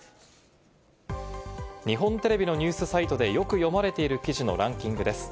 日本テレビのニュースサイトでよく読まれている記事のランキングです。